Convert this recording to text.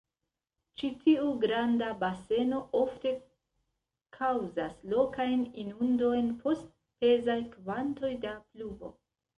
Ĉi-tiu granda baseno ofte kaŭzas lokajn inundojn post pezaj kvantoj da pluvo.